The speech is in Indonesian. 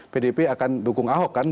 pdip akan dukung ahok kan